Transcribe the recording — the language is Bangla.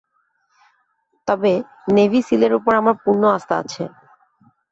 তবে নেভি সীলের ওপর আমার পূর্ণ আস্থা আছে।